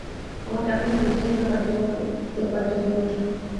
আমার কেন জানি বৃথাই চোখ পানিতে ভরে উঠে।